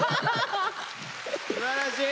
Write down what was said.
すばらしい！